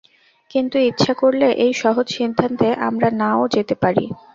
কিন্তু ইচ্ছা করলে এই সহজ সিদ্ধান্তে আমরা না-ও যেতে পারি।